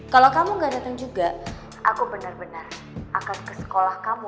kalau kamu gak datang juga aku benar benar akan ke sekolah kamu